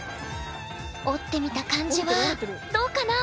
折ってみた感じはどうかな？